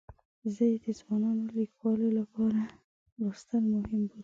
زه یې د ځوانو لیکوالو لپاره لوستل مهم بولم.